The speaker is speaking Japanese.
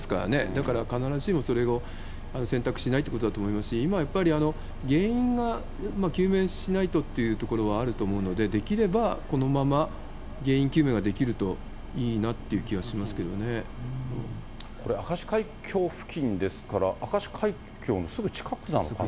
だから必ずしもそれを選択しないということだと思いますし、今やっぱり、原因が究明しないとというところはあると思うので、できればこのまま原因究明ができるといいなっていう気はしますけれどもね。これ明石海峡付近ですから、明石海峡のすぐ近くなのかな。